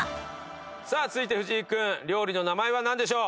さあ続いて藤井君料理の名前はなんでしょう？